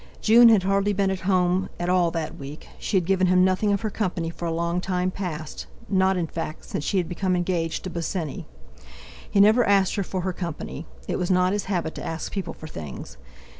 June had hardly been at home at all that week; she had given him nothing of her company for a long time past, not, in fact, since she had become engaged to Bosinney. He never asked her for her company. It was not his habit to ask people for things!